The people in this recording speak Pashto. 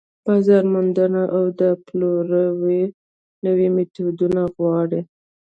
بازار موندنه او د پلورلو نوي ميتودونه غواړي.